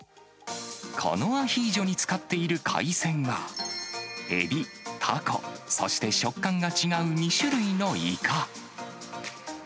このアヒージョに使っている海鮮は、エビ、タコ、そして食感が違う２種類のイカ。